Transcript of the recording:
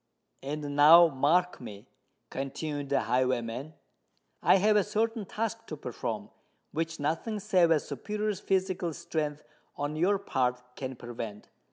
"And now mark me," continued the highwayman: "I have a certain task to perform, which nothing save a superior physical strength on your part can prevent.